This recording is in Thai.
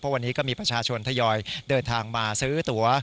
วันนี้ก็มีประชาชนทยอยเดินทางมาซื้อตัว